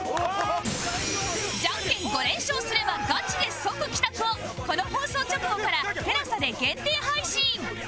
「ジャンケン５連勝すればガチで即帰宅」をこの放送直後から ＴＥＬＡＳＡ で限定配信